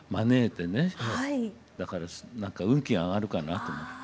だから運気が上がるかなと思って。